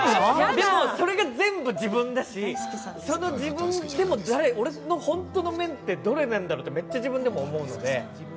でも、それが全部自分だし、その自分でも俺の本当の面てどれなんだろうってめっちゃ自分でも思うので。